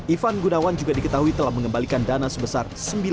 ivan gunawan juga diketahui telah mengembalikan dana sebesar